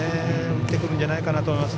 打ってくるんじゃないかと思います。